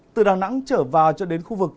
từ đà nẵng trở vào cho đến khu vực